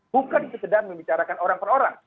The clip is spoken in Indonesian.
bukan sekedar membicarakan orang per orang